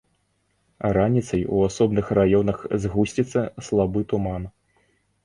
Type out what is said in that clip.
Раніцай у асобных раёнах згусціцца слабы туман.